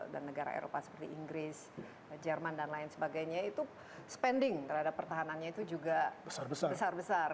dan negara eropa seperti inggris jerman dan lain sebagainya itu spending terhadap pertahanannya itu juga besar besar